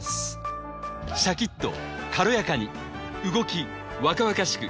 シャキっと軽やかに動き若々しく